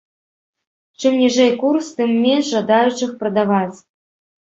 Чым ніжэй курс, тым менш жадаючых прадаваць.